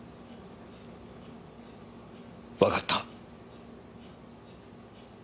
わかった。